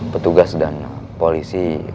petugas dan polisi